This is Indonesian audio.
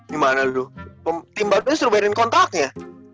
gimana lu tim baduy suruh bayarin kontraknya